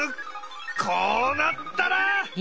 こうなったら！